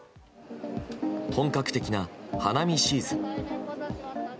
本格的な花見シーズン。